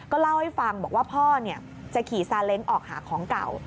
เล่าให้ฟังบอกว่าพ่อจะขี่ซาเล้งออกหาของเก่า